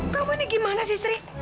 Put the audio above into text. kamu ini gimana sih sri